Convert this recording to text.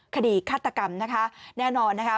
คดีฆาตกรรมนะคะแน่นอนนะคะ